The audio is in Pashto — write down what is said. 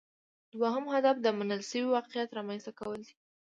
دوهم هدف د منل شوي واقعیت رامینځته کول دي